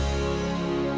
terima kasih udah nonton